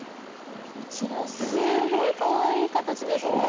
こちらすごいかわいい形ですね。